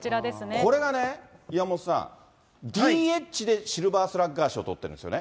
これがね、岩本さん、ＤＨでシルバースラッガー賞取っているんですよね。